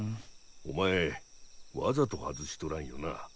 お前わざと外しとらんよな。